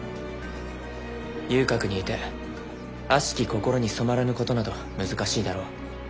遊郭にいてあしき心に染まらぬことなど難しいだろう。